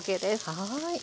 はい。